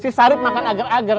si sarip makan agar agar